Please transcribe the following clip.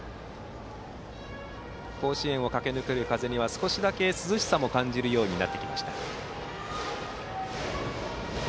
甲子園を駆け抜ける風には少しだけ涼しさも感じるようになってきました。